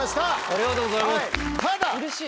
ありがとうございます。